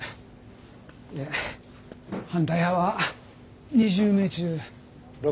で反対派は２０名中６人で。